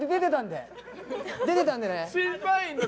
出てたんでね！